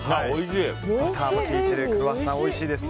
バターも効いているクロワッサン、おいしいです。